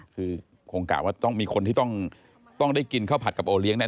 คือคงกะว่าต้องมีคนที่ต้องได้กินข้าวผัดกับโอเลี้ยแน